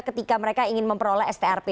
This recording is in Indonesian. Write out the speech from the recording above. ketika mereka ingin memperoleh strp